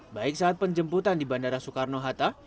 baik saat penjemputan di bandara soekarno hatta